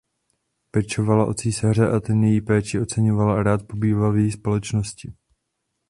Pečovala o císaře a ten její péči oceňoval a rád pobýval v její společnosti.